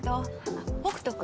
あっ北斗君。